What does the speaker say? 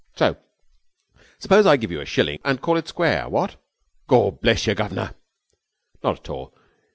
So suppose I give you a shilling and call it square, what?' 'Gawd bless yer, guv'nor.' 'Not at all.